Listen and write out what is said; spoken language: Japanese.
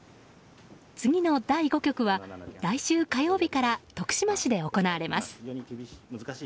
次の第５局は来週火曜日から徳島市で行われます。